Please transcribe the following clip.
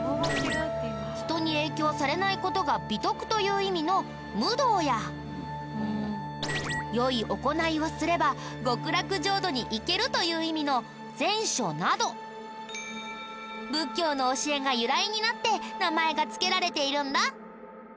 人に影響されない事が美徳という意味の無動や良い行いをすれば極楽浄土にいけるという意味の善処など仏教の教えが由来になって名前が付けられているんだ。